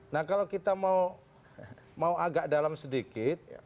nah kalau kita mau agak dalam sedikit